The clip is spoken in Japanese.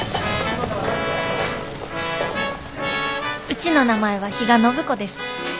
うちの名前は比嘉暢子です。